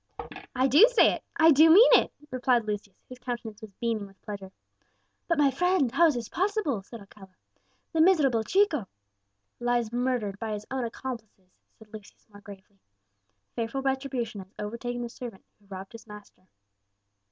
"I do say it I do mean it," replied Lucius, whose countenance was beaming with pleasure. "But, my friend, how is this possible?" asked Alcala; "the miserable Chico " "Lies murdered by his own accomplices," said Lucius more gravely; "fearful retribution has overtaken the servant who robbed his master."